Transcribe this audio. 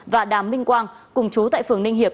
và đàm minh quang cùng chú tại phường ninh hiệp